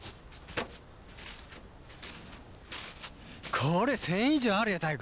これ１，０００以上あるよ妙子！